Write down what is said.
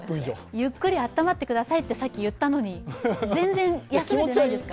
ゆっくり温まってくださいとさっき言ったのに全然休めてないんですか？